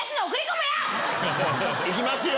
行きますよ！